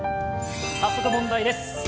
早速問題です。